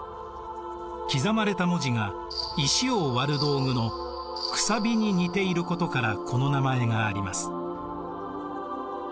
刻まれた文字が石を割る道具の楔に似ていることからこの名前があります。